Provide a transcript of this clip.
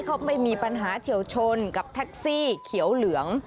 เขาไม่มีปัญหาเฉียวชนกับแท็กซี่เขียวเหลือง